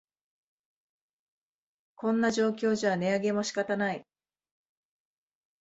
こんな状況じゃ値上げも仕方ない